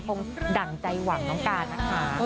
คงดั่งใจหวังน้องการนะคะ